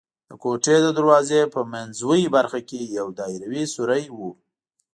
د کوټې د دروازې په منځوۍ برخه کې یو دایروي سوری و.